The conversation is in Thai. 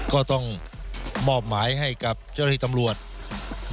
ก็ต้องมอบหมายให้กับเจ้าหน้าที่ตำรวจ